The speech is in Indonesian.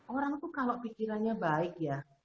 orang itu kalau pikirannya baik ya